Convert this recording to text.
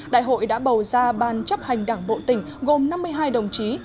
đại hội đã bầu ra ban chấp hành đảng bộ tỉnh gồm năm mươi hai đồng chí